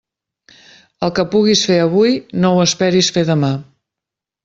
El que puguis fer avui no ho esperis fer demà.